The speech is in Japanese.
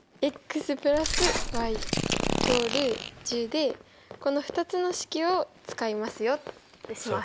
でこの２つの式を使いますよってします。